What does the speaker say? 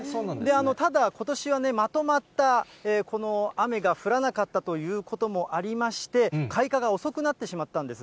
ただ、ことしはね、まとまったこの雨が降らなかったということもありまして、開花が遅くなってしまったんです。